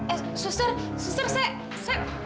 eh suster suster saya